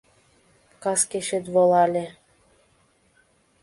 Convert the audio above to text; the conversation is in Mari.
Кас кечет волале